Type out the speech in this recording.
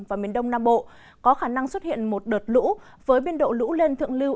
và miền đông nam bộ có khả năng xuất hiện một đợt lũ với biên độ lũ lên thượng lưu